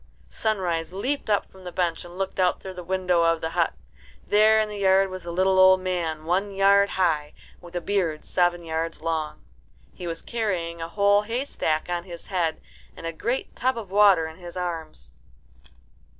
Sunrise leaped up from the bench and looked out through the window of the hut. There in the yard was the little old man, one yard high, with a beard seven yards long. He was carrying a whole haystack on his head and a great tub of water in his arms.